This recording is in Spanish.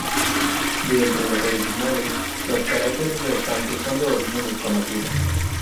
De entre los originales, los caracteres restantes son de origen desconocido.